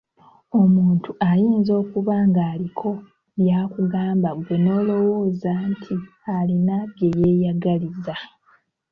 Omuntu ayinza okuba ng'aliko by'akugamba ggwe n'olowooza nti alina bye yeeyagaliza.